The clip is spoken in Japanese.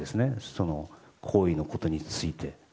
その行為のことについて。